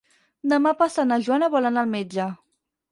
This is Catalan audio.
Demà passat na Joana vol anar al metge.